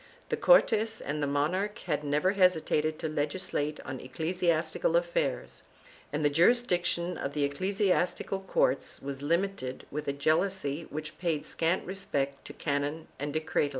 The Cortes and the mon arch had never hesitated to legislate on ecclesiastical affairs, and the jurisdiction of the ecclesiastical courts was limited with a jealousy which paid scant respect to canon and decretal.